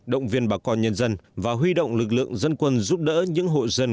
động viên bà con nhân dân và huy động lực lượng dân quân giúp đỡ những hội dân